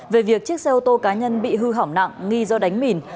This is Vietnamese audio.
về việc chiếc xe ô tô cá nhân bị hư hỏng nặng nghi do đánh mìn